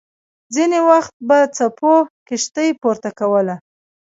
ځینې وخت به څپو کښتۍ پورته کوله.